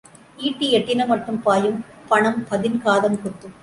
ஈட்டி எட்டின மட்டும் பாயும் பணம் பதின் காதம் குத்தும்.